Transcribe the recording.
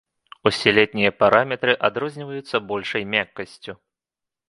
Усе летнія параметры адрозніваюцца большай мяккасцю.